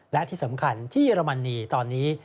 และที่สำคัญที่เยอรมนีตอนนี้